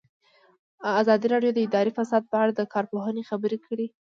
ازادي راډیو د اداري فساد په اړه د کارپوهانو خبرې خپرې کړي.